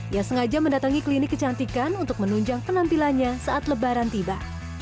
ia sengaja mendatangi klinik kecantikan untuk menunjang penampilannya saat lebaran tiba